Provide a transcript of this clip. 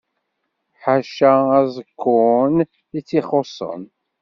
Ḥaca aẓekkun i t-ixuṣṣen.